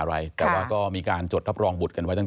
พลักษณ์ของฉันตายฉันไม่ได้พลักษณ์ให้พลักษณ์